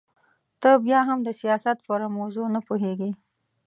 ته بيا هم د سياست په رموزو نه پوهېږې.